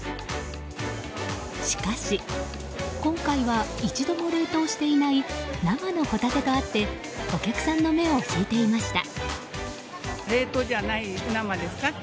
しかし、今回は一度も冷凍していない生のホタテとあってお客さんの目を引いていました。